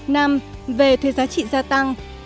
năm về thuê giá trị gia tăng